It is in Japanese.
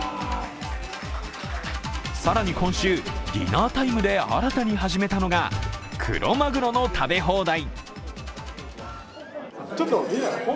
更に今週、ディナータイムで新たに始めたのがクロマグロの食べ放題。